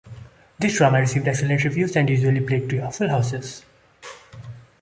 This drama received excellent reviews, and usually played to full houses.